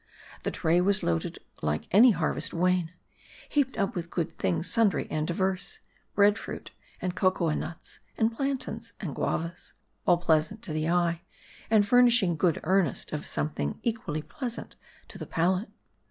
The tray was loaded like any harvest wain ; heaped up with good things sundry and divers : Bread fruit, and cocoanuts, and plantains, and guavas ; all pleasant to the eye, and furnishing good earnest of something equally pleasant to the palate.